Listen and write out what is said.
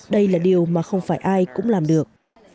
đây là điều mà không phải ai cũng làm được